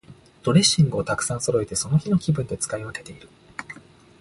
ドレッシングをたくさんそろえて、その日の気分で使い分けている。